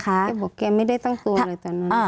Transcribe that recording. แกบอกแกไม่ได้ต้องกลัวเลยจังหวะนั้น